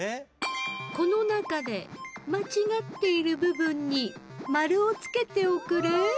この中で間違っている部分に丸をつけておくれ。